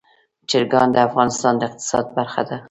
چرګان د افغانستان د اقتصاد برخه ده.